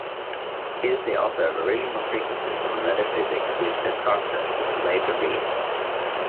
He is the author of original treatises of metaphysics, which Descartes would later read.